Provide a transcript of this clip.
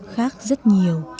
khác rất nhiều